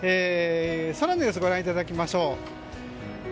空の様子をご覧いただきましょう。